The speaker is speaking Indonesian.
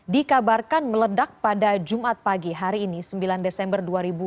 dikabarkan meledak pada jumat pagi hari ini sembilan desember dua ribu dua puluh